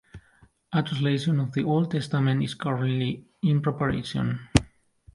A translation of the Old Testament is currently in preparation.